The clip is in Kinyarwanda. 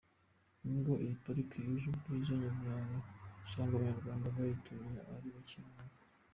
Nubwo iyi pariki yuje ubwiza nyaburanga usanga Abanyarwanda bayituriye ari bake, nk’uko .